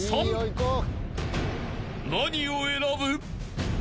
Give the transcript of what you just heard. ［何を選ぶ？］